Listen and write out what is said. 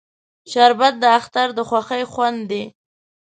شربت د اختر د خوښۍ خوند دی